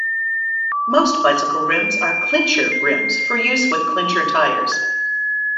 Most bicycle rims are "clincher" rims for use with clincher tires.